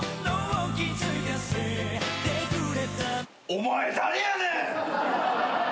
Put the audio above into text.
お前誰やねん！